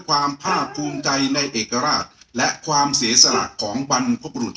ความภาคภูมิใจในเอกราชและความเสียสละของบรรพบรุษ